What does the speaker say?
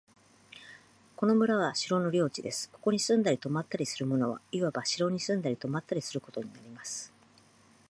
この村は城の領地です。ここに住んだり泊ったりする者は、いわば城に住んだり泊ったりすることになります。